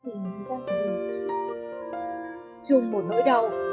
chùng một nỗi đau